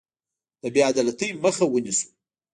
د بې عدالتۍ مخه ونیسو.